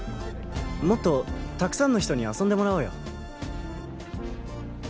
もっとたくさんの人に遊んでもらおうよ